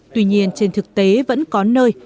tuy nhiên trên thực tế vẫn có nơi